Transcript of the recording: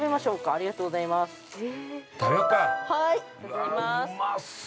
ありがとうございます。